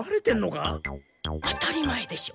当たり前でしょ。